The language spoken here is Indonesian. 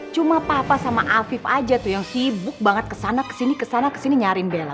cuma papa sama alfif aja tuh yang sibuk banget kesana kesini nyariin bella